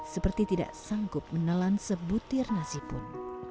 seperti tidak sanggup menelan sebutir nasi pun